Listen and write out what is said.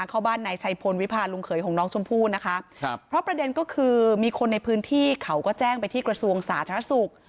คนในพื้นที่เขาก็แจ้งไปที่กระทรวงสาธารณสุข